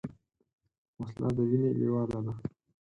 وسله د وینې لیواله ده